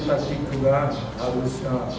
kita harus lihat yang kualitas dari lawan